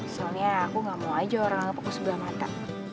soalnya aku gak mau aja orang fokus sebelah mata